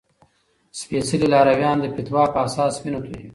سپیڅلي لارویان د فتوا په اساس وینه تویوي.